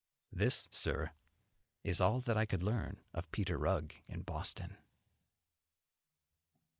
This, sir, is all that I could learn of Peter Rugg in Boston....